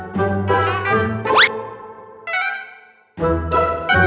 jangan ambil ter petite